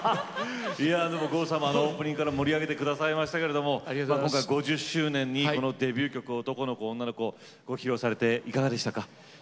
オープニングから盛り上げてくださいましたけれども５０周年、デビュー曲「男の子女の子」を披露されていかがでしたか。